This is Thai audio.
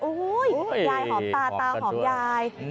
โอ้โหยายหอมตาตาหอมยาย